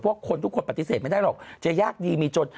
คนทุกคนปฏิเสธไม่ได้หรอกจะยากดีมีจน